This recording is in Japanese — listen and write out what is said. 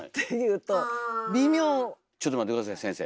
ちょっと待って下さい先生。